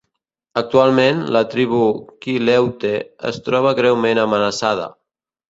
Actualment, la tribu Quileute es troba greument amenaçada.